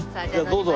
どうぞ。